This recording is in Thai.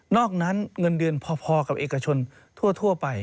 อกนั้นเงินเดือนพอกับเอกชนทั่วไป